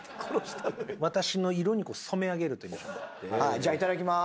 じゃあいただきます。